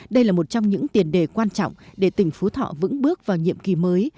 đây là một trong những tiền đề quan trọng để tỉnh phú thọ vững bước vào nhiệm kỳ mới